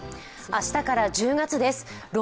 明日から１０月です。